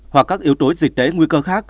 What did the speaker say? hoặc các yếu tố dịch tế nguy cơ khác